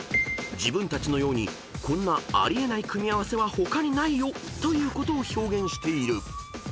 ［自分たちのようにこんなあり得ない組み合わせは他にないよということを表現している］